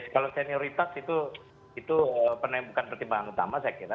kalau senioritas itu bukan pertimbangan utama saya kira